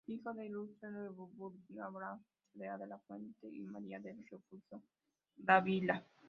Hijo del ilustre revolucionario Abraham Cepeda de la Fuente y María del Refugio Dávila.